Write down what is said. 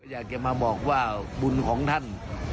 อยากจะมาบอกว่าบุญของท่าน